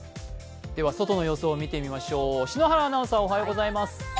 外の様子を見てみましょう。